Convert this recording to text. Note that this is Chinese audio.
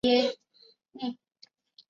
多尔特地区卡斯泰特。